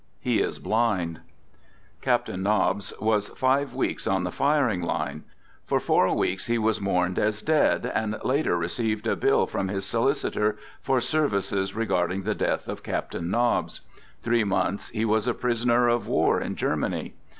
He is blind. Captain Nobbs was five weeks on the firing line. For four weeks he was mourned as dead, and later received a bill from his solicitor " for services re garding the death of Captain Nobbs." Three months he was a prisoner of war in Germany.